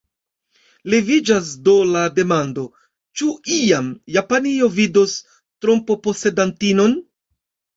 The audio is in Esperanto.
Leviĝas do la demando: ĉu iam Japanio vidos tronposedantinon?